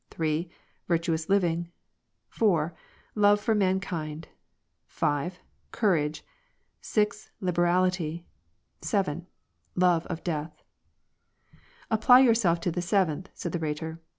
Virtuous living, 4. Love for mankind. 6. Courage. 6. Liberality. 1. Love of death, " Apply yourself to the seventh,*' said the Rhetor.